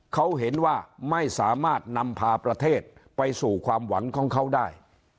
เขาเห็นว่าไม่สามารถนำพาประเทศไปสู่ความหวังของเขาได้